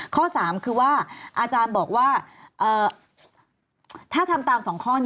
ข้อ๓คือว่าอาจารย์บอกว่า